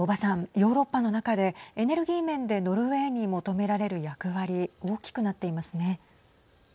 ヨーロッパの中でエネルギー面でノルウェーに求められる役割大きくなっていますね。